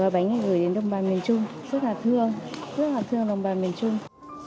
rất là thương đồng bà miền trung